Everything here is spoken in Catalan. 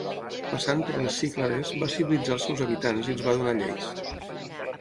Passant per les Cíclades, va civilitzar els seus habitants i els va donar lleis.